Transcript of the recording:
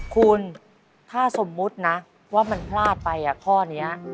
คุณถ้าสมมุตินะว่ามันพลาดไปข้อนี้